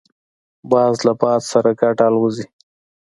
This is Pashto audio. باز له باد سره ګډ الوزي